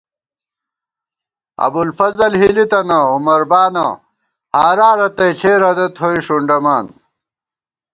ابُوالفضل ہِلی تَنہ عمربا نہ ہارا رتئ ݪے ردہ تھوئی ݭُنڈَمان